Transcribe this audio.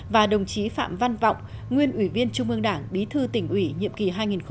và đồng chí phạm văn vọng nguyên ủy viên trung ương đảng bí thư tỉnh ủy nhiệm kỳ hai nghìn một mươi hai nghìn một mươi năm